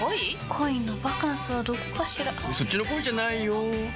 恋のバカンスはどこかしらそっちの恋じゃないよ